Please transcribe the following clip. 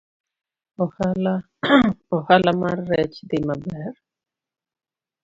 Ohala mar rech dhi maber